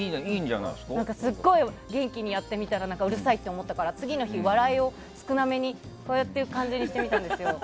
すごい元気にやってみたらうるさいと思ったから次の日、笑いを少なめにしてみたんですよ。